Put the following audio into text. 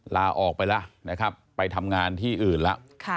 ลาออกไปแล้วนะครับไปทำงานที่อื่นแล้ว